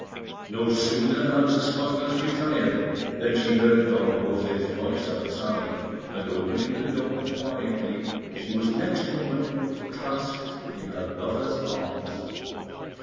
No sooner had the smugglers retired than she heard Don José's voice outside; and opening the door quietly, she was next moment clasped in her lover's arms.